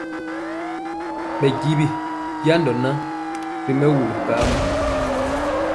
Ɓɛ jiwi jando na ri mɛwul kamɔ.